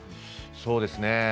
そうですね